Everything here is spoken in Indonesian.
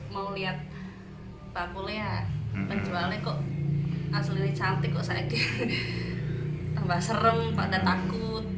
mau lihat pak mulia menjualnya kok asli cantik kok saya tambah serem pada takut